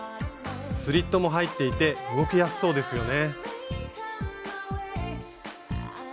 スリットも入っていて動きやすそうですよね。